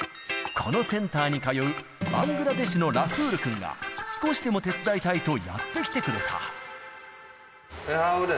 このセンターに通うバングラデシュのラフール君が、少しでも手伝いたいとやって来てくれた。